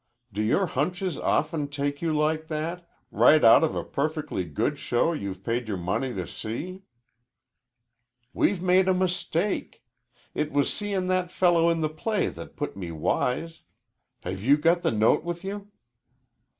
Do your hunches often take you like that right out of a perfectly good show you've paid your money to see?" "We've made a mistake. It was seein' that fellow in the play that put me wise. Have you got the note with you?"